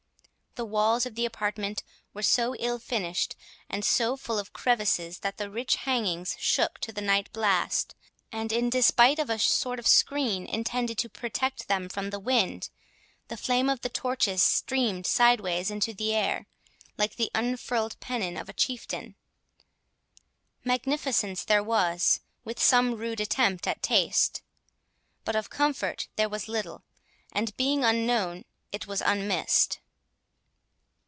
The walls of the apartment were so ill finished and so full of crevices, that the rich hangings shook in the night blast, and, in despite of a sort of screen intended to protect them from the wind, the flame of the torches streamed sideways into the air, like the unfurled pennon of a chieftain. Magnificence there was, with some rude attempt at taste; but of comfort there was little, and, being unknown, it was unmissed.